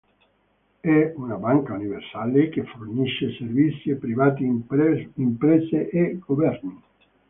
È una banca universale che fornisce servizi a privati, imprese e governi.